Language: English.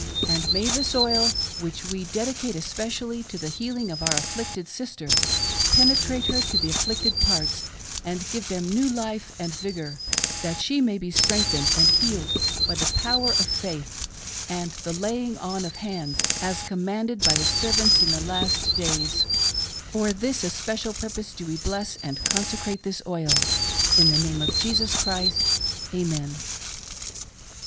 And may this oil, which we dedicate especially to the healing of our afflicted sister, penetrate her to the aiHicted parts, and give them new life and vigor, that she may be strengthened and healed by the power of faith, and the laying on of hands, as commanded by 82 EVIL SPIRITS CAST OUT. thy servants in the last days;— for this especial purpose do we bless and conse crate this oil; in the name of Jesus Christ — Amen."